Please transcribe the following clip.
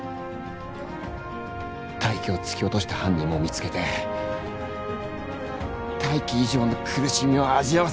泰生を突き落とした犯人も見つけて泰生以上の苦しみを味わわせてやる。